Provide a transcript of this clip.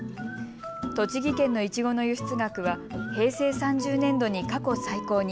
栃木県のいちごの輸出額は平成３０年度に過去最高に。